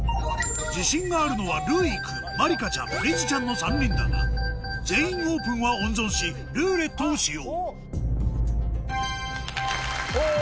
自信があるのはるうい君まりかちゃんりづちゃんの３人だが「全員オープン」は温存し「ルーレット」を使用おぉ